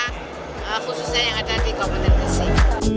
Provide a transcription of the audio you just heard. khususnya yang ada di kabupaten gresik